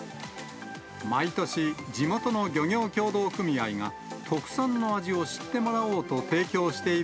毎年、地元の漁業協同組合が、特産の味を知ってもらおうと、提供してい